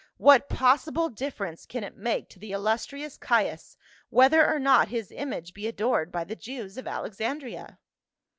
What possible differ ence can it make to the illustrious Caius whether or not his image be adored by the Jews of Alexandria?"